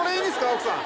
奥さん。